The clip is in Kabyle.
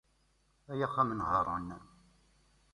Ay axxam n Haṛun.